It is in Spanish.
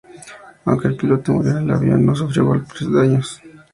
Aunque el piloto murió, el avión no sufrió graves daños.